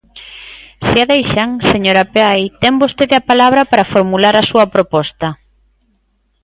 Se a deixan, señora Peai, ten vostede a palabra para formular a súa proposta.